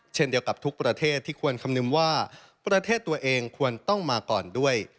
เช่นเดียวกับทุกประเทศที่ควรคำนึงว่าประเทศตัวเองควรต้องมาก่อนด้วย